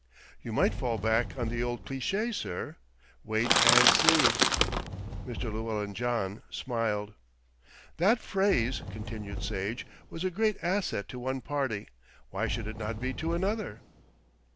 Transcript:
"You might fall back on the old cliché, sir: 'Wait and see.'" Mr. Llewellyn John smiled. "That phrase," continued Sage, "was a great asset to one party, why should it not be to another?"